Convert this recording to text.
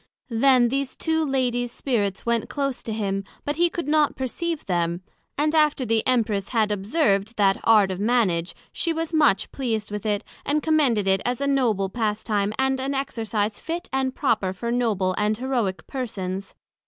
Then these two Ladies Spirits went close to him, but he could not perceive them; and after the Empress had observed that Art of Mannage, she was much pleased with it, and commended it as a noble pastime, and an exercise fit and proper for noble and heroick Persons.